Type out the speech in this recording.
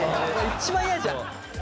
一番嫌じゃん！